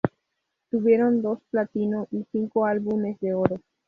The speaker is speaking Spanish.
Tuvieron dos platino y cinco álbumes de oro.